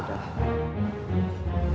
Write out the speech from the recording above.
namulyana harus berbicara konsisten